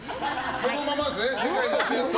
そのままですね。